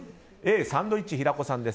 Ａ、サンドイッチ、平子さん